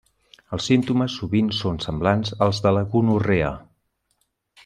Els símptomes sovint són semblants als de la gonorrea.